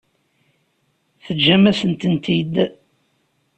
Teǧǧam-asent-tent-id.